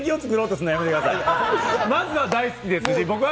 まず大好きです。